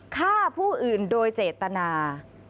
ฆ่าผู้อื่นโดยเจตนา